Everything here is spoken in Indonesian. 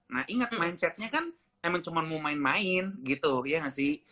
nah inget mindsetnya kan emang cuma mau main main gitu ya gak sih